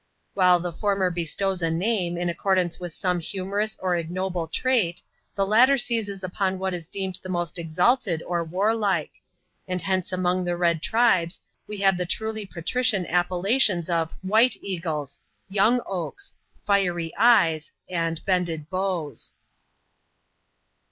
While the former bestows a name, in accordance with some humorous or ignoble trait ,the latter seizes upon what is deemed the most exalted or warlike : and hence among the red tribes, we have the truly patrician appellations of " White Eagles," " Young Oaks," " Fiery Eyes," and "Bended Bows.''